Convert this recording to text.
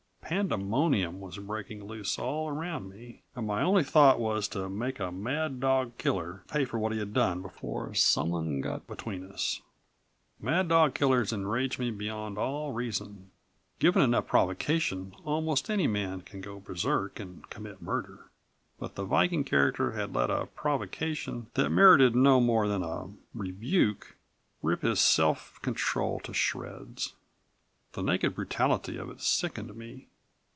Pandemonium was breaking loose all around me, and my only thought was to make a mad dog killer pay for what he had done before someone got between us. Mad dog killers enrage me beyond all reason. Given enough provocation almost any man can go berserk and commit murder. But the Viking character had let a provocation that merited no more than a rebuke rip his self control to shreds. The naked brutality of it sickened me.